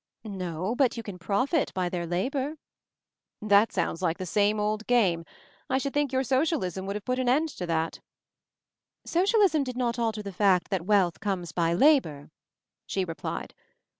"No, but you can profit by their labor." "That sounds like the same old game. I should think your Socialism would have put an end to that." "Socialism did not alter the fact that wealth comes by labor," she replied.